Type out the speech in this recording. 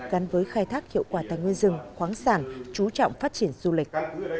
gắn với khai thác hiệu quả tài nguyên rừng khoáng sản chú trọng phát triển du lịch